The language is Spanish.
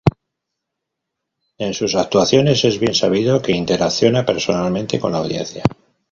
En sus actuaciones, es bien sabido que interacciona personalmente con la audiencia.